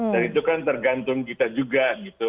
dan itu kan tergantung kita juga gitu